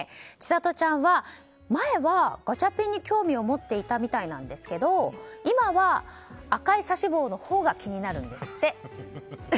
千紗都ちゃんは前はガチャピンに興味を持っていたみたいなんですが今は赤い指し棒のほうが興味があるんですって。